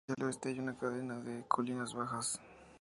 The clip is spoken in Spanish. Hacia el oeste hay una cadena de colinas bajas.